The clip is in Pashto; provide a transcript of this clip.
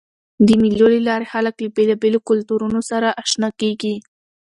د مېلو له لاري خلک له بېلابېلو کلتورونو سره اشنا کېږي.